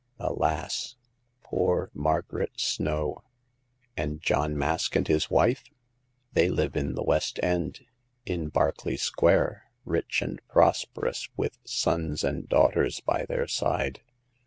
Alas ! poor Margaret Snow !" "And John Mask and his wife ?" "They live in the West End, in Berkeley Square, rich and prosperous, with sons and daughters by their side.